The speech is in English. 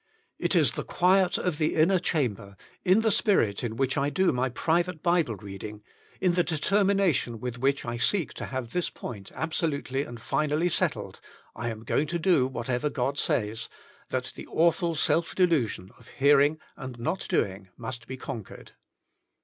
It is the quiet of the inner chamber, in the spirit in which I do my private Bible read ing, in the determination with which I seek to have this point absolutely and finally settled, I Am Going to Do Whatever God Says, that the awful self delusion of hearing and not doing must be conquered.